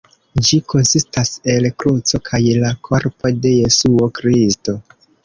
Ĝi konsistas el kruco kaj la korpo de Jesuo Kristo.